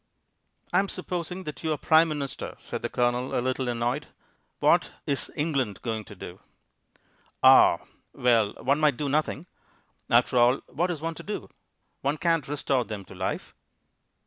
"I'm supposing that you're Prime Minister," said the Colonel, a little annoyed. "What is England going to do?" "Ah!... Well, one might do nothing. After all, what is one to do? One can't restore them to life."